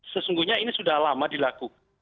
sesungguhnya ini sudah lama dilakukan